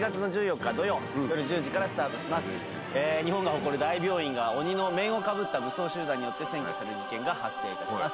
日本が誇る大病院が鬼の面をかぶった武装集団によって占拠される事件が発生いたします。